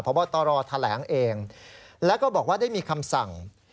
พบตรแถลงเองแล้วก็บอกว่าได้มีคำสั่ง